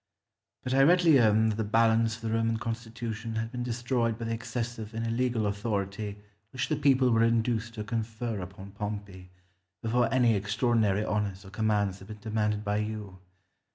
But I readily own that the balance of the Roman constitution had been destroyed by the excessive and illegal authority which the people were induced to confer upon Pompey, before any extraordinary honours or commands had been demanded by you.